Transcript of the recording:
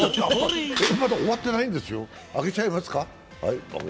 まだ終わっていないんですよ、あげちゃいますか。